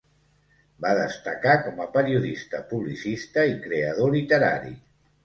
Va destacar com a periodista, publicista i creador literari.